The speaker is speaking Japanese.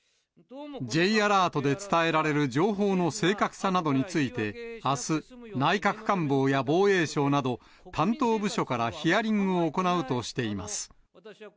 Ｊアラートで伝えられる情報の正確さなどについて、あす、内閣官房や防衛省など、担当部署からヒアリングを行うとしています。